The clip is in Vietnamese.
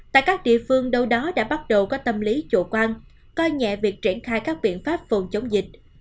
tại các địa phương đâu đó đã bắt đầu có tâm lý chủ quan coi nhẹ việc triển khai các biện pháp phòng chống dịch